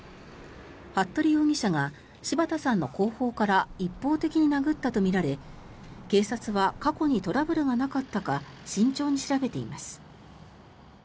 服部容疑者が柴田さんの後方から一方的に殴ったとみられ警察は過去にトラブルがなかったか慎重に調べています。